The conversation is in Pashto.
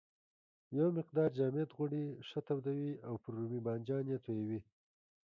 یو مقدار جامد غوړي ښه تودوي او پر رومي بانجانو یې تویوي.